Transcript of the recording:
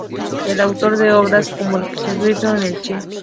Es autor de obras como "El Socialismo en el Che.